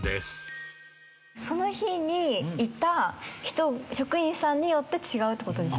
その日にいた職員さんによって違うって事ですよね？